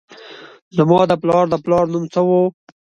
زما د پلار د پلار نوم څه و؟